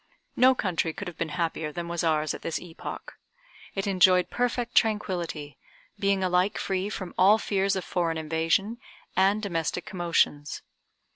No country could have been happier than was ours at this epoch. It enjoyed perfect tranquillity, being alike free from all fears of foreign invasion and domestic commotions.